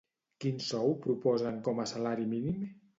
Quin sou proposen com a salari mínim?